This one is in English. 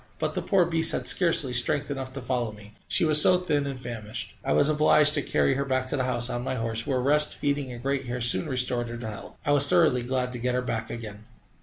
But the poor beast had scarcely strength enough to follow me, she was so thin and famished. I was obliged to carry her back to the house on my horse, where rest, feeding, and great care soon restored her to health. I was thoroughly glad to get her back again.